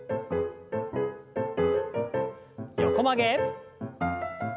横曲げ。